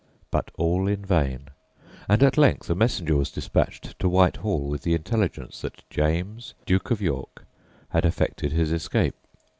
But all in vain, and at length a messenger was despatched to Whitehall with the intelligence that James, Duke of York, had effected his escape.